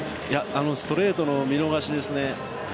ストレートの見逃しです。